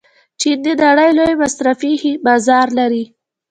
چین د نړۍ لوی مصرفي بازار لري.